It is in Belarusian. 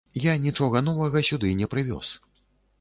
Я нічога новага сюды не прывёз.